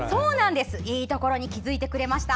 いいところに気付いてくれました。